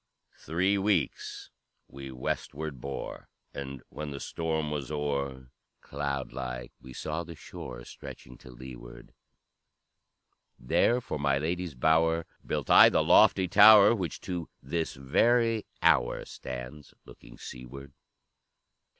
"Three weeks we westward bore, And when the storm was o'er, Cloud like we saw the shore Stretching to leeward; There for my lady's bower Built I the lofty tower, Which, to this very hour, Stands looking seaward.